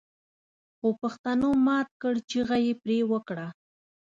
خوپښتنو مات کړ چيغه يې پرې وکړه